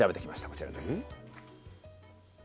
こちらです。